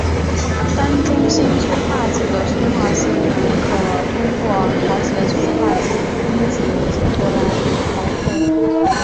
单中心催化剂的催化性能可通过调节催化剂的分子结构来调控。